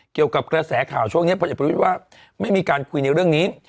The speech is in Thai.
เกี่ยวกับกระแสข่าวช่วงนี้พลเอกประวิทย์ว่าไม่มีการคุยในเรื่องนี้